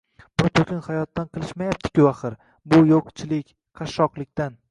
Buni to‘kin hayotdan qilishmayapti-ku, axir, bu — yoʻqchilik, qashshoqlikdan.